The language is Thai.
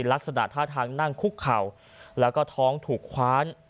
ลักษณะท่าทางนั่งคุกเข่าแล้วก็ท้องถูกคว้าน